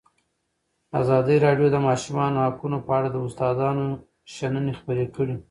ازادي راډیو د د ماشومانو حقونه په اړه د استادانو شننې خپرې کړي.